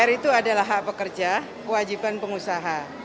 r itu adalah hak pekerja kewajiban pengusaha